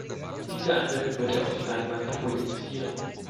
Diese Anwendung bitte auf die Leinwand projizieren.